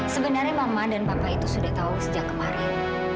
sebenarnya mama dan papa itu sudah tahu sejak kemarin